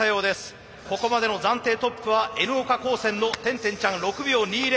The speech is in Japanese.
ここまでの暫定トップはＮ岡高専の転転ちゃん６秒２０。